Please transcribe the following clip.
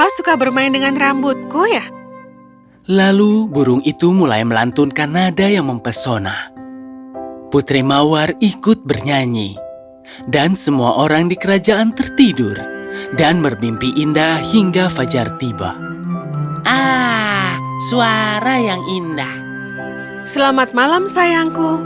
selamat malam sayangku mimpi indah ya